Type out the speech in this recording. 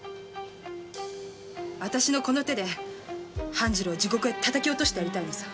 私のこの手で半次郎を地獄へたたき落としてやりたいのさ。